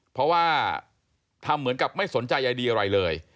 เพราะว่าทำเหมือนกับไม่สนใจใยดีอะไรเลย